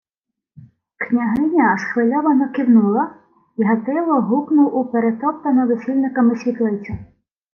Княгиня схвильовано кивнула, й Гатило гукнув у перетоптану весільниками світлицю: